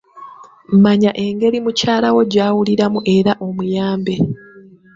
Manya engeri mukyalawo gy'awuliramu era omuyambe.